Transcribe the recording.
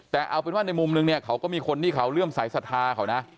แต่เอาเป็นว่าในมุมนึงเนี่ยเขาก็มีคนที่เขาเลื่อมสายศรัทธาเขานะ